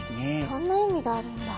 そんな意味があるんだ。